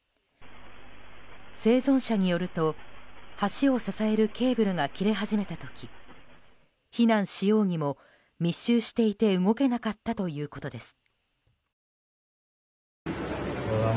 生存者によると橋を支えるケーブルが切れ始めた時避難しようにも密集していて動けなかったということです。